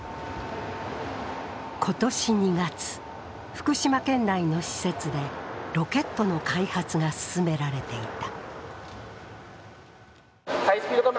今年２月、福島県内の施設でロケットの開発が進められていた。